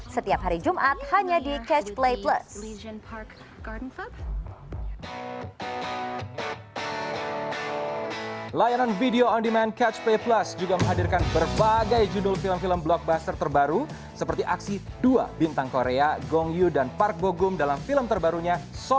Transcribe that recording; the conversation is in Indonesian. sampai jumpa di video selanjutnya